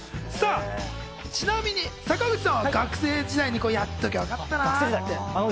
ちなみに坂口さんは学生時代にやっときゃよかったなぁってこと。